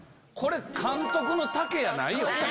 これ監督の丈やないよ。